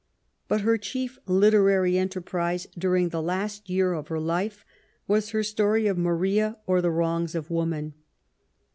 But her chief literary enterprise during the last year of her life was her story of Maria ; or, the Wrongs of Woman.